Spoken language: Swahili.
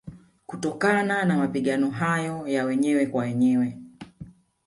Kutokana na Mapigano hayo ya wenyewe kwa wenyewe